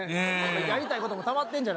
やりたいこともたまってるんじゃ